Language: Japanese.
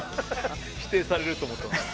否定されると思ってました。